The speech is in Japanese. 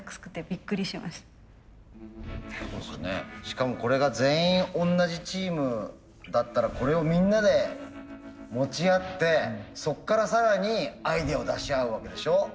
しかもこれが全員同じチームだったらこれをみんなで持ち合ってそっから更にアイデアを出し合うわけでしょ。